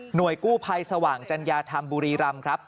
กู้ภัยสว่างจัญญาธรรมบุรีรำครับ